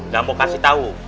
gak mau kasih tahu